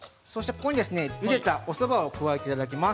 ここにゆでたおそばを加えていただきます。